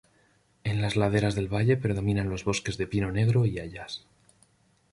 En las laderas del valle predominan los bosques de pino negro y hayas.